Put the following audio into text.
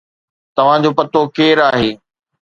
توهان جو پتو ڪير آهي؟